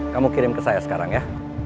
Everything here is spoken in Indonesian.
kamu kirim ke saya sekarang ya